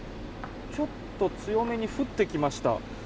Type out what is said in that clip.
ちょっと強めに降ってきました。